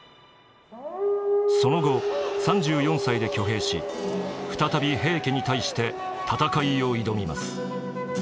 その後３４歳で挙兵し再び平家に対して戦いを挑みます。